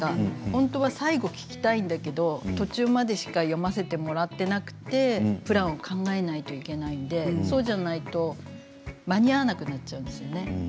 本当は最後を聞きたいんだけど途中までしか読ませてもらっていなくてプランを考えないといけないのでそうじゃないと間に合わなくなってしまうんですよね。